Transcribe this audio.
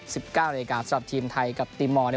สำหรับทีมไทยกับทีมมอล